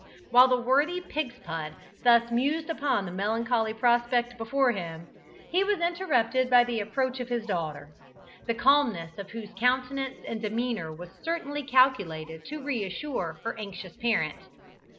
While the worthy Pigspud thus mused upon the melancholy prospect before him, he was interrupted by the approach of his daughter, the calmness of whose countenance and demeanour was certainly calculated to reassure her anxious parent.